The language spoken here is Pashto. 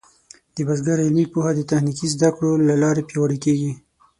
د بزګر علمي پوهه د تخنیکي زده کړو له لارې پیاوړې کېږي.